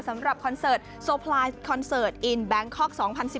สำหรับคอนเซิร์ตโซพลายคอนเซิร์ตอินแบงค็อก๒๐๑๖